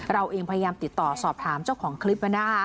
เราเองพยายามติดต่อสอบถามเจ้าของคลิป